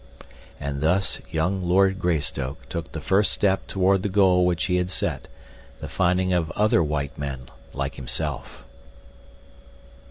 And thus young Lord Greystoke took the first step toward the goal which he had set—the finding of other white men like himself.